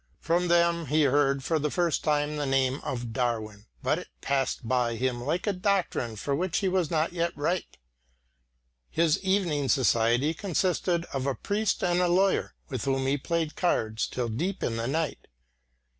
From them he heard for the first time the name of Darwin; but it passed by him like a doctrine for which he was not yet ripe. His evening society consisted of a priest and a lawyer with whom he played cards till deep in the night.